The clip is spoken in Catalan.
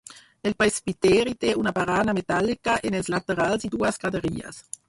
El presbiteri té una barana metàl·lica en els laterals i dues graderies.